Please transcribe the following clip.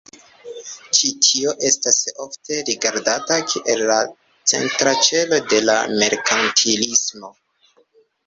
Ĉi tio estas ofte rigardata kiel la centra celo de la merkantilismo.